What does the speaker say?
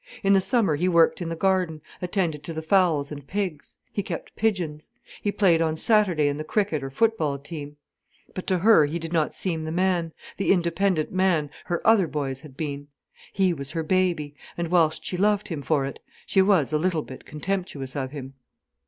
In the summer he worked in the garden, attended to the fowls and pigs. He kept pigeons. He played on Saturday in the cricket or football team. But to her he did not seem the man, the independent man her other boys had been. He was her baby—and whilst she loved him for it, she was a little bit contemptuous of him.